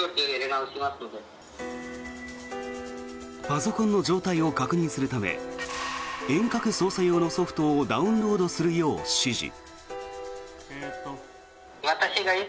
パソコンの状態を確認するため遠隔操作用のソフトをダウンロードするよう指示。